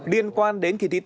điên quan đến kỳ thi tốt nhất